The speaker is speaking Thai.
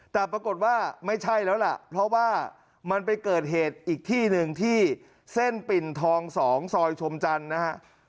แต่ปรากฏว่าไม่ใช่แล้วล่ะเพราะว่ามันไปเกิดเหตุอีกที่หนึ่งที่เส้นปิ่นทอง๒ซอยชมจันทร์นะฮะ